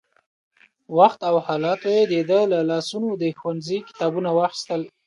وخت او حالاتو يې د ده له لاسونو د ښوونځي کتابونه واخيستل.